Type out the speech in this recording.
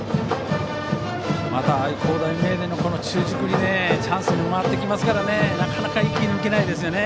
また愛工大名電の中軸にチャンスで回ってきますからなかなか息が抜けないですね。